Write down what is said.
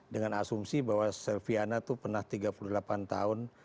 dengan asumsi bahwa silviana itu pernah tiga puluh delapan tahun